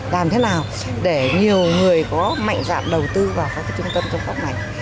làm thế nào để nhiều người có mạnh dạng đầu tư vào các trung tâm trong khắp này